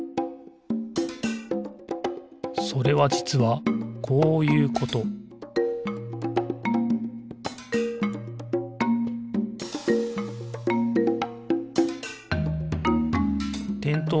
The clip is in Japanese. それはじつはこういうことてんとう